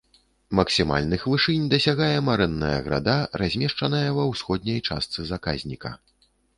Максімальных вышынь дасягае марэнная града, размешчаная ва ўсходняй частцы заказніка.